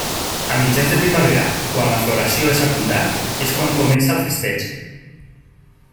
A mitjans de primavera, quan la floració és abundant, és quan comença el festeig.